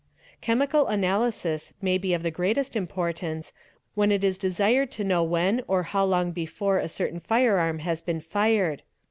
Chemical analysis may be of the greatest importance when it is desired to know when or how long before a certain firearm has been fired.